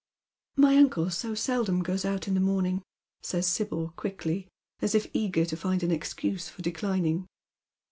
"My uncle so seldom goes out in the morning," says Sibyl, quickly, as if eager to find an excuse for declining.